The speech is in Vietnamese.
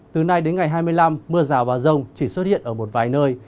từ nay đến ngày hai mươi năm mưa rào và rông chỉ xuất hiện ở một vài nơi